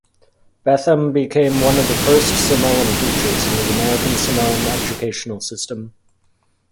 Betham became one of the first Samoan teachers in the American Samoan educational system.